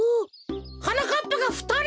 はなかっぱがふたり！？